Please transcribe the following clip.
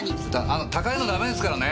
あの高いのダメですからね！